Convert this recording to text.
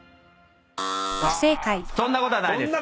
そんなことはないです。